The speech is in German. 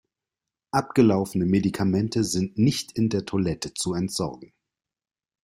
Abgelaufene Medikamente sind nicht in der Toilette zu entsorgen.